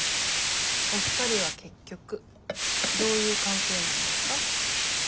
お二人は結局どういう関係なんですか？